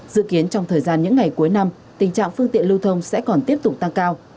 dự kiến trong thời gian những ngày cuối năm tình trạng phương tiện lưu thông sẽ còn tiếp tục tăng cao